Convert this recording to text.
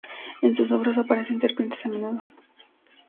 En sus obras aparecen serpientes a menudo.